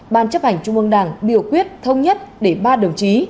ban chấp hành trung ương đảng biểu quyết thông nhất để ba đồng chí